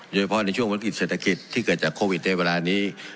โดยเฉพาะในช่วงวิกฤตเศรษฐกิจที่เกิดจากโควิดในเวลานี้